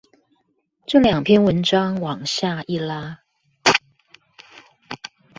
這兩篇文章往下一拉